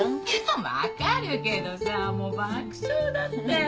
分かるけどさもう爆笑だったよ。